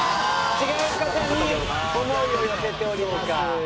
違う方に思いを寄せております。